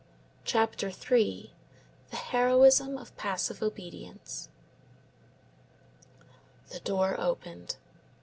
CHAPTER III—THE HEROISM OF PASSIVE OBEDIENCE. The door opened.